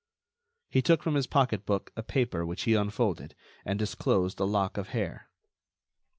He took from his pocketbook a paper which he unfolded, and disclosed a lock of hair.